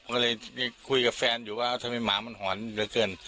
ก็เลยไปคุยกับแฟนอยู่ว่าทำไมหมามันหอนเหลือเกิน